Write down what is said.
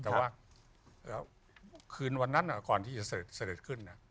แต่ว่าคืนวันนั้นก่อนที่จะเสด็จขึ้น